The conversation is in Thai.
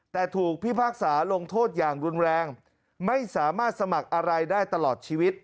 แต่ถูกพิพากษาลงโทษอย่างรุนแรงไม่สามารถสมัครอะไรได้ตลอดชีวิต